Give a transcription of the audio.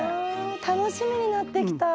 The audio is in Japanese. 楽しみになってきた！